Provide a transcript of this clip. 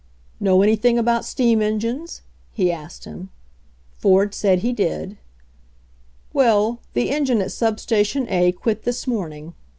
"Know anything about steam engines?" he asked him. Ford said he did. "Well, the engine at sub station A quit this morning.